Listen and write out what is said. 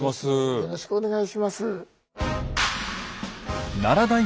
よろしくお願いします。